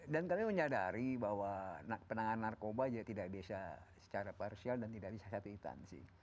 dan kalian menyadari bahwa penanganan narkoba tidak bisa secara parsial dan tidak bisa satu instansi